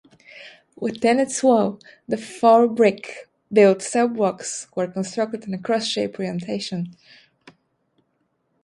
Within its wall, the four brick-built cell blocks were constructed in a cross-shape orientation.